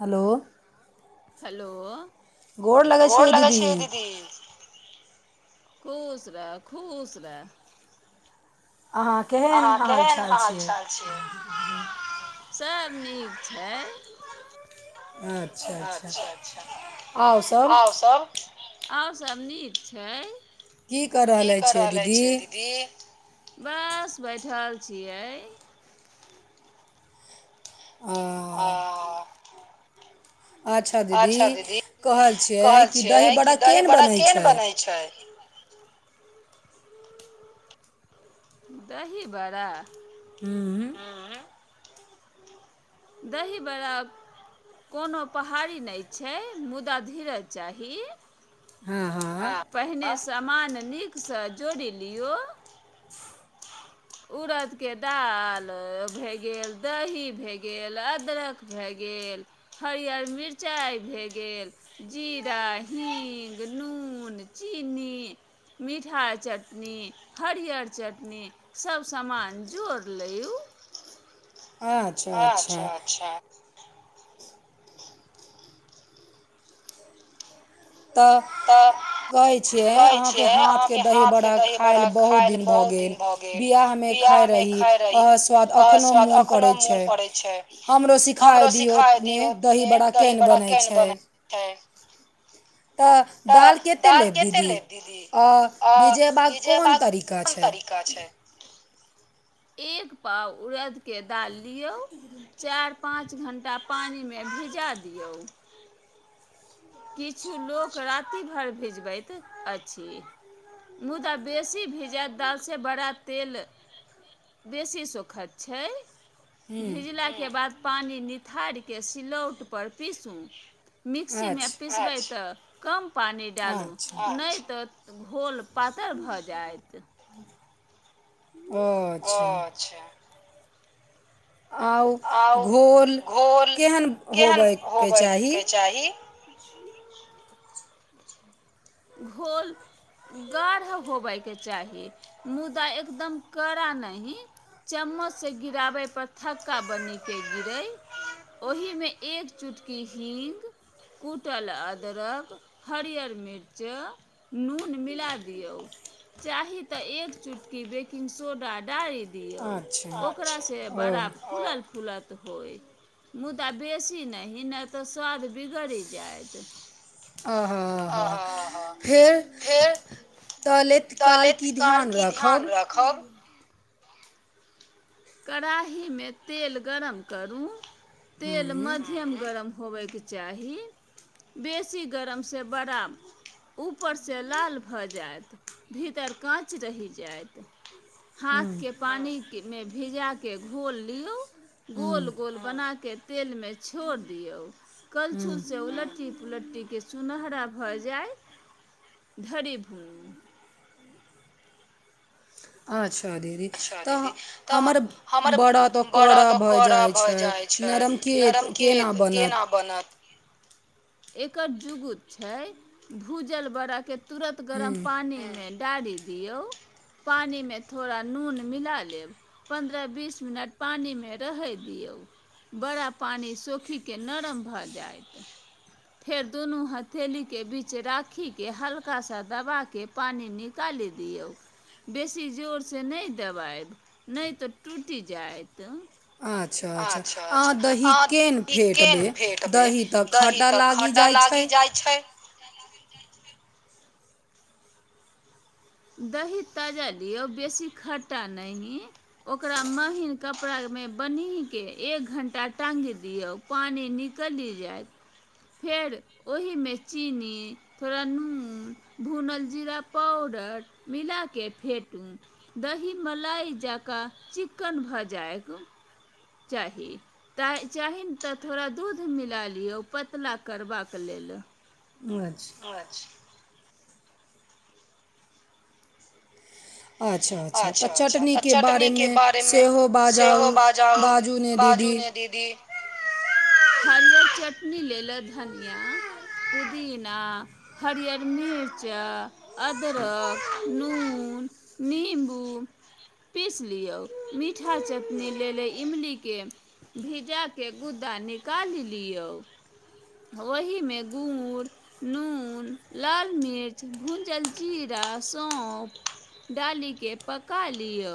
हलो। Hello. गोर लगै छीयै दीदी। खुश रह, खुश रह। अहाँ केहेन हाल-चाल छियै। सब नीक छै। अच्छा-अच्छा औ सब और सब नीक छै। की क रहलै छिये दीदी। बस बैठल छियै। आ। अच्छा दीदी कहल छियै कि दही बड़ा केहेन बनै छै। दही बड़ा। हूँ। दही बड़ा कोनो पहाड़ी नहि छै मुदा धीरज चाही पहिने सामान नीकसँ जोड़ि लियो उड़द के डाल भए गेल दही भे। इ अलग तरह के भए गेल अदरक भए गेल हरियर मिरचाइ भए गेल जीरा हींग नून चीनी मीठा चटनी हरियर चटनी सभ सामान जोड़ि ल्यु।। आच्छा-आच्छा। तऽ कहै छियै अहाँके हाथके दही बड़ा खाएल बहुत दिन भऽ गेल बियाहमे खाय रही ओहे स्वाद एखनौ मोन पड़ै छैय, हमरो सिखाय दियौ ने दही बड़ा केन बनै छैय। तऽ दाल कते लेब दीदी आ भेजबाक कोन तरीका छैय। एक पाव उड़द के दाल दियौ चार पाँच घण्टा पानिमे भिजा दियौ। किछु लोक राति भर भिजबैत अछि मुदा बेसी भिजैब दाल से बड़ा तेल बेसी सोखे छैय। भिजला के बाद पानि निथारके सिलौट पर पीसू। मिक्सी मे अच्छा छै तऽ कम पान डालू, अच्छा, नै त घोल पातर भऽ जाएत। अच्छा आ उ घोल केहेन होबै के चाही? घोल गाढ़ा होबे के चाही मुदा एकदम कड़ा नहि चम्मच से गिराबे पर थक्का बनी के गिरे ओहि मे एक चुटकी हींग, कुटल अदरक, हरियर मिर्च ज नून मिला दियौ चाही तऽ एक चुटकी बेकिंग सोडा डाई दियौ, अच्छा, ओकरा से बड़ा फूलल फुलत होइ मुदा बेसी नहि नै तऽ स्वाद बिगड़ि जाएत अ हा हा हां फेर तऽ लैत काल की ध्यान रखब। कड़ाही मे तेल गरम करू तेल मध्यम गरम होबय के चाही बेसी गरम से बड़ा ऊपर से लाल भऽ जायत भीतर काँच रहि जायत हाथ के पानि के मे भिजाके घोल लियौ गोल गोल बनाके तेलमे छोड़ दियौ, कलछुल से उलट्टी पुलट्टीके सुनहरा भऽ जाय धरि भुनू। अच्छा दीदी तऽ हमर बड़ा तऽ कड़ा भऽ जाय छैय नरम के केना बनत। एकर जुग छैय भूजल बड़ा के तुरत गरम पानी हेल डालि दियौ पानिमे थोड़ा नून मिला लेब पन्द्रह बीस मिनट पानिमे रहै दियौ, बड़ा पानी सौखीके नरम भऽ जायत। फेर दुनू हथेलीके बीच राखीके हल्का सा दबा के पानि निकालि दियौ बेसी जोर से नै दबायब नै तऽ टूटि जाएत। आच्छा आच्छा अहाँ दही केन फेटबै दही तऽ खटा लाग खट्टा लागि जाय छै। खट्टा लागि जाय छै। दही ताजा दियौ बेसी खट्टा नहि ओकरा महीन कपड़ा मे बन्हिके एक घण्टा टांगि दियौ पानि निकैल जाएत फेर ओहिमे चीनी, थोड़ा नून, भुनल जीरा पाउडर मिला कै फेटू, दही मलाई जकाँ चिक्कन भऽ जायक। चाही ता चाही न तऽ थोड़ा दूध मिला लियौ पतला करबाक लेल। अच्छा आच्छा-आच्छा तऽ चटनी के बारेमे सेहो बाजाउ बाजू ने दीदी। हरियर चटनी लेले धनियाँ, पुदीना, हरियर मिर्चा, अदरक, नून नम्बू पीस लियौ, मीठा चटनी लेलेे इमलीके भिजाके गुद्दा निकालि लियौ, ओहिमे गुड़, नून, लाल मिर्च, भुजल जीरा, सौंफ डाली के पका लियो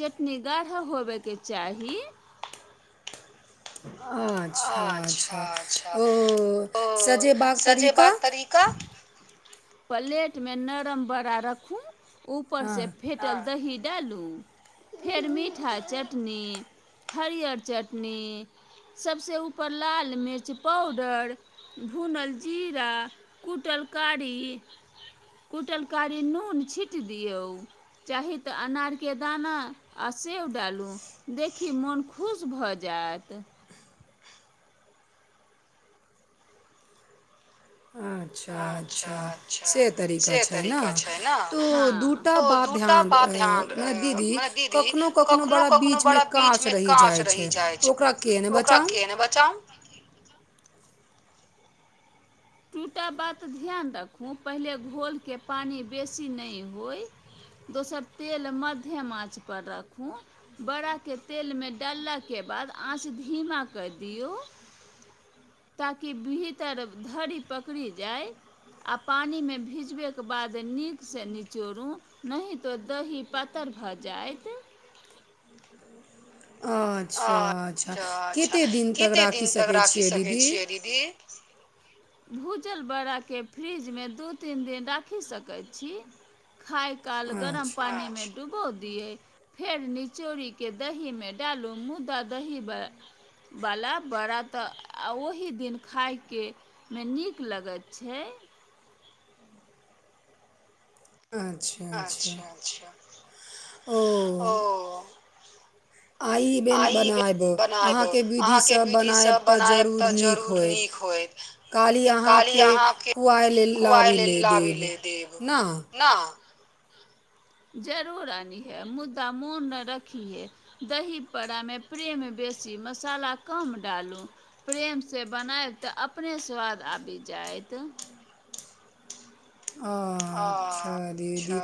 चटनी गाढ़ा होबै के चाही। आ अच्छा ओ सजेबा के तरीका। पलेट मे नरम बड़ा रखु ऊपर से फेटल दही डालु, फेर मीठा चटनी, हरियर चटनी सबसे ऊपर लाल मिर्च पाउडर, भूनल जीरा, कुटल कारी, कुटल कारी नून छीट दियौ, चाही ते अनार के दाना आ सेब डालू देखी मन खुश भऽ जाएत। आच्छा-अच्छा से तरीका छै ने तो दूटा बात ध्यान अ मने दीदी कखनो-कखनो बड़ा बीचमे काँच रहि जाय छै ओकरा के ने बचाउ। दूटा बात ध्यान राखू पहिले घोलके पानि बेसी नै होय, दोसर तेल मध्यम आँच पर राखू बड़ाके तेलमे डाललाके बाद आँच धीमा कै दियौ ताकि भीतर धरी पकड़ि जाय आ पानी मे भिजबैके बाद नीक से निचोड़ू नहि ते दही पातर भऽ जाएत। आच्छा-आच्छा केते दिन तक राखि सकै छियै दीदी। भूजल बड़ा के फ्रीज मे दू-तीन दिन राखि सकै छी, खाय काल गरम पानी मे डूबो दिये, फेर निचोड़ी के दही मे डालू। मुद्दा दही ब वाला बड़ा तऽ ओहि दिन खाय के मे नीक लगैत छै। अच्छा-अच्छा ओ। आइ बेन बनाएब अहाँ के विधिसँ बनायब तऽ जरूर नीक होएत, काल्हि अहाँके खुआएल ले लाबी ले देब ना। जरूर आनिहे मुद्दा मोन नै रखिये दही बड़ामे प्रेम बेसी, मसाला कम डालू, प्रेमसे बनाएब तऽ अपने स्वाद आबि जाएत। अच्छा दीदी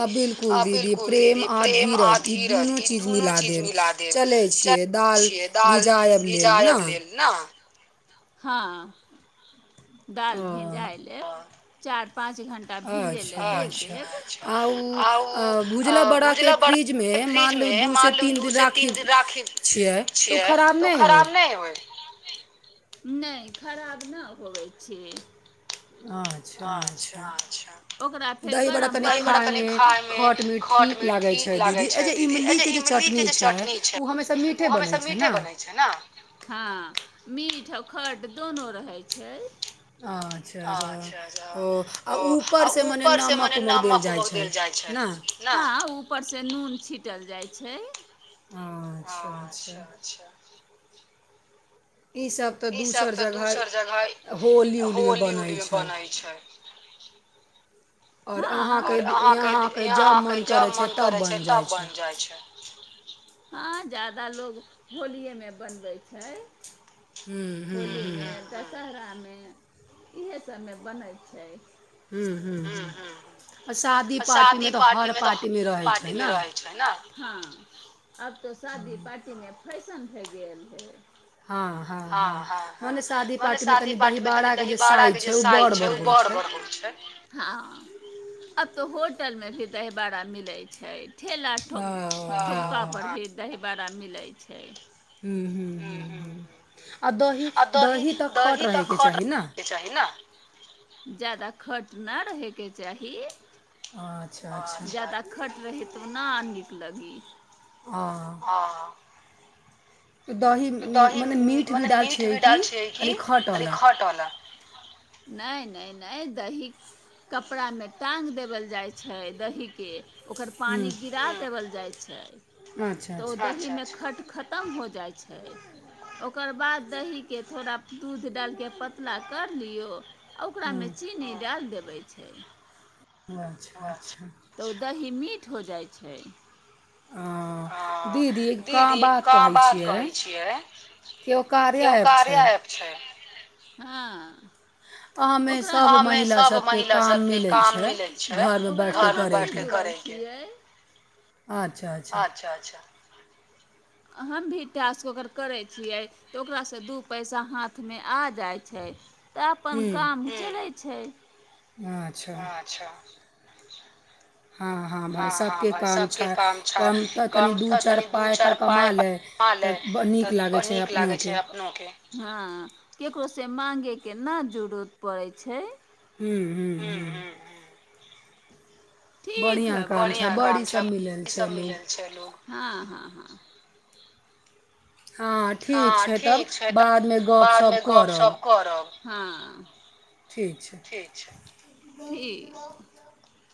आ बिलकुल दीदी प्रेम आ धीरज ई दुनू चीज मिला देब, चलै छियै दाल भिजायब लेल नै। हाँ। दाल भिजाय ले। चार पाँच घंटा भीजे ले [unintelligible] अच्छा-अच्छा आ उ आ भुजला बड़ा के फ्रिज मे मानलु दू से तीन दिन राखि छियै तऽ उ खराब नै होय नै खराब ना हो छी। आच्छा-आच्छा ओकरा फेर गरम पेएन मे, दही बड़ा तनी खायमे खट्ट-मी ठीक लागै छै दीदी, ए जे इमली के जे चटनी छै उ हमेशा मीठे बनै छै नै हाँ। मीठ आ खट दोनो रहै छै। आच्छा-आच्छा। अच्छा ओ आ ऊपरसे मने नमक उमक देल जाय छैय न हाँ ऊपर से नून। [unintelligible] छिटल जाइ छैय। [unintelligible] ओ अच्छा- अच्छा। [unintelligible] ईसभ तऽ दोसर जगह होली उलीमे बनै छैय। [unintelligible] हाँ और अहाँ के दि इहाँ के जब मन करै छै तब बन जाय छै। हँ जादाा लोग होलियएमे बनबै छै। [unintelligible] [unintelligible] होलिमे दशहरा मे। [unintelligible] इएह सभमे बनै छै। [unintelligible] ह्म -ह्म -ह आ शादी पार्टीमे तऽ पार्टीमे रहै छै ने। [unintelligible] आब त शादी पार्टी मे। [unintelligible] फैशन भए गेल है। [unintelligible] हँ -हँ -हँ मने शादी पाटीमे तनि दहीबड़ाके जे साइज छै ओ बड़ बड़बइ छै। [unintelligible] हँ आब तऽ होटलमे भी दहीबाड़ा मिलै छै। [unintelligible] ठेला ठ ठका पर द दही बड़ा। [unintelligible] मिलै छै। [unintelligible] ह्म्म ह्मँ ह्म्म आ दही- दही तऽ खट रहयके चाही ने। [unintelligible] [unintelligible] जाादा खट नहि रहयके चाही। [unintelligible] जाद खट रहे तब ने। एक लागी। [unintelligible] आ। [unintelligible] तऽ दही मने मीट भी डाल छियै कि अाली खटवला। [unintelligible] नहि -नहि -नहि दही कपड़ामे टाँङ्ग देबल जाइ छै दहीके। [unintelligible] ओकर पानी गिरा देबल जाइ छै [unintelligible] तऽ ओ देची मे खट। खतम हो जाइ छै। [unintelligible] छै ओकर बाद दहीके थोड़ा दूध डालिके पतला कर लियौ। [unintelligible] आ ओकरा मे चीनी डाल देब। [unintelligible] आबै छै। [unintelligible] ओ अच्छा- अच्छा। [unintelligible] ठठ हो जाइ छै। [unintelligible] ओ दीदी कहाँ बात कहै छियै केओ कार्य ऐप छै। [unintelligible] हँ। [unintelligible] मे सब महिला सबके काम मिलै छै घर मे बैठे करेके अच्छा -अच्छा। [unintelligible] हम भी टास्क अगर करै छियै तऽ ओकरासँ दू पैसा हाथमे आ जाइ छै। [unintelligible] तऽ अपन काम। [unintelligible] छै। [unintelligible] अच्छा। [unintelligible] हँ -हँ भाय सबके काम छय कम तऽ तनी दू चार पाय कमा ले तऽ नीक लागै छै [unintelligible] अपनो के केकरो। से मांगे के ना जरूरत पड़े छै। [unintelligible] ह्मँ्-म -ह्मँ -ह्मँ्म। [unintelligible] ह। [unintelligible] ठीक है बढ़िया काम छै सब मिल छै [unintelligible] ल हँ- हँ। हँ ठीक छै तऽ बादमे गपशप करब [unintelligible] ह ठीक छै ठीक। [unintelligible]